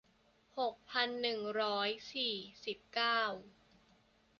หกพันหนึ่งร้อยสี่สิบเก้า